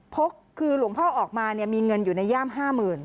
กคือหลวงพ่อออกมาเนี่ยมีเงินอยู่ในย่าม๕๐๐๐